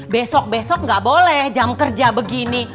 besok besok nggak boleh jam kerja begini